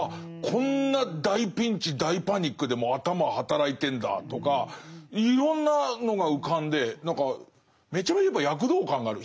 こんな大ピンチ大パニックでも頭働いてんだとかいろんなのが浮かんで何かめちゃめちゃやっぱ躍動感がある。